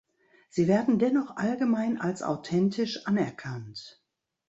Sie werden dennoch allgemein als authentisch anerkannt.